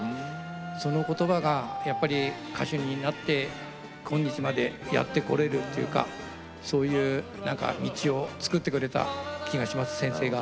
その言葉がやっぱり歌手になって今日までやってこれるというかそういう道をつくってくれた気がします先生が。